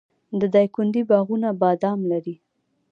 د دایکنډي باغونه بادام لري.